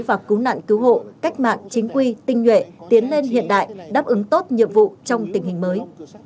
và cứu nạn cứu hộ cách mạng chính quy tinh nhuệ tiến lên hiện đại đáp ứng tốt nhiệm vụ trong tình hình mới